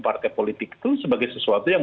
partai politik itu sebagai sesuatu yang